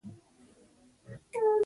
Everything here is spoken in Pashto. بیزو له کورنیو سره ګډ ژوند نه کوي.